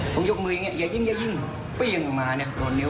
ผมยกมืออย่างนี้อย่ายิงอย่ายิงปิ้งออกมาเนี่ยโดนนิ้